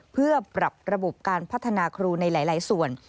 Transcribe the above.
เพื่อปรับระบบการพัฒนาครูในหลายส่วน